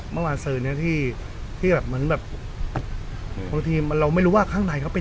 เมื่อวานซื้อนี้ที่ที่แบบมันแบบปกติเล่าไม่รู้ว่าข้างใดเขาเป็น